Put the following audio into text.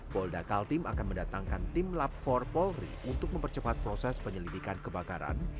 polda kaltim akan mendatangkan tim lab empat polri untuk mempercepat proses penyelidikan kebakaran